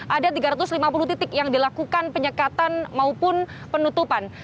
ada tiga ratus lima puluh titik yang dilakukan penyekatan maupun penutupan